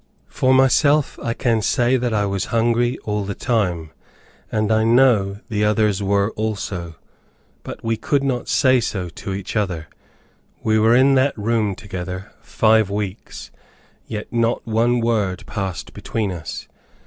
For myself I can say that I was hungry all the time, and I know the others were also; but we could not say so to each other. We were in that room together five weeks, yet not one word passed between us.